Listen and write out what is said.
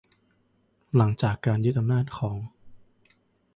หลังจากการยึดอำนาจของ